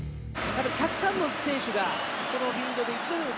たくさんの選手がこのフィールドで一度でも。